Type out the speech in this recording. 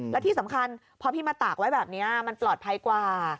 และที่สำคัญพอพี่มาตากไว้แบบนี้มันปลอดภัยกว่า